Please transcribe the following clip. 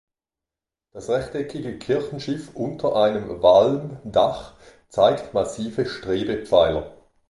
Das rechteckige Kirchenschiff unter einem Walmdach zeigt massive Strebepfeiler.